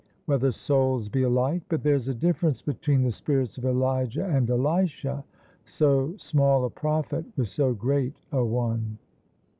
_ whether souls be alike? But there's a difference between the spirits of Elijah and Elisha: so small a prophet with so great a one!"